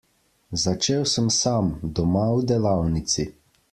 Začel sem sam, doma v delavnici.